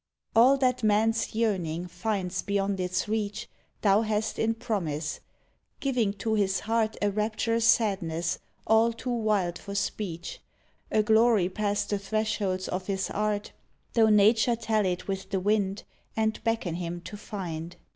All that man's yearning finds beyond its reach Thou hast in promise, giving to his heart A rapturous sadness all too wild for speech, — A glory past the thresholds of his art, Tho Nature tell it with the wind And beckon him to find.